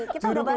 kita udah bahas